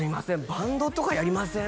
バンドとかやりません？